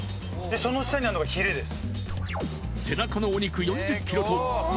その下にあるのがヒレです